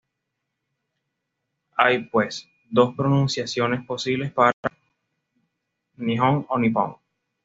Hay, pues, dos pronunciaciones posibles para 日本: "Nihon o Nippon".